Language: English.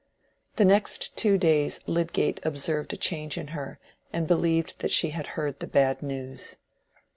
The next two days Lydgate observed a change in her, and believed that she had heard the bad news.